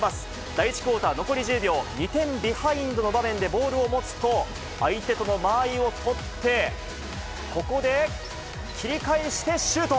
第１クオーター残り１０秒、２点ビハインドの場面でボールを持つと、相手との間合いを取って、ここで切り返してシュート。